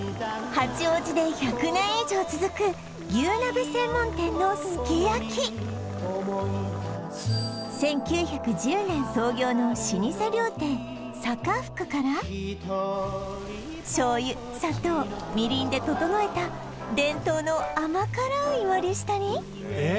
八王子で１００年以上続く牛鍋専門店のすき焼き１９１０年創業の老舗料亭坂福から醤油砂糖みりんで調えた伝統の甘辛い割り下にええ